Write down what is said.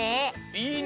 いいね！